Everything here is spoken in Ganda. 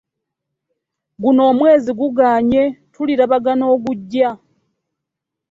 Guno omwezi gugannye! Tulilabagana ogujja.